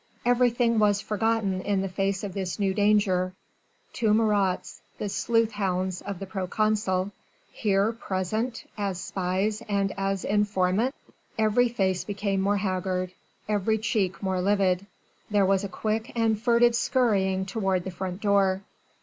Everything was forgotten in the face of this new danger two Marats, the sleuth hounds of the proconsul here present, as spies and as informants! Every face became more haggard every cheek more livid. There was a quick and furtive scurrying toward the front door.